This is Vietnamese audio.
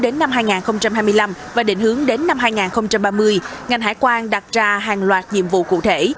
đến năm hai nghìn hai mươi năm và định hướng đến năm hai nghìn ba mươi ngành hải quan đặt ra hàng loạt nhiệm vụ cụ thể